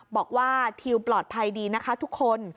บอกว่าทิวปลอดภัยดีนะคะทุกคน